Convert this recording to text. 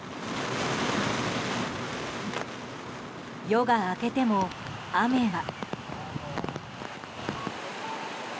夜が明けても、雨は。